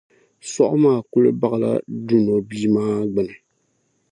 Sɔɣu maa kuli baɣila duuno bia maa gbini.